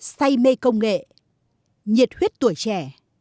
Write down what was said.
say mê công nghệ nhiệt huyết tuổi trẻ